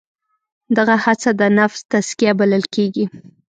دغه هڅه د نفس تزکیه بلل کېږي.